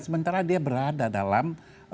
sementara dia berada dalam